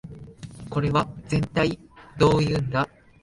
これはぜんたいどういうんだ